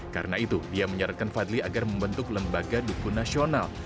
karena itu dia menyarankan fadli agar membentuk lembaga dukun nasional